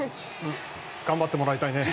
頑張ってもらいたいね。